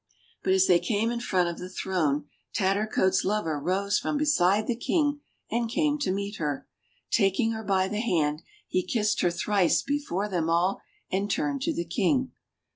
But as they came in front of the throne Tattercoats' lover rose from beside the King, and came to meet her. Taking her by the hand, he kissed her thrice before them all, and turned to the King.